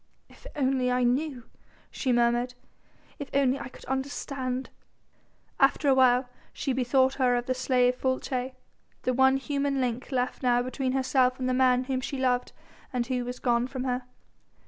"If only I knew!" she murmured. "If only I could understand!" After a while she bethought her of the slave Folces, the one human link left now between herself and the man whom she loved and who was gone from her.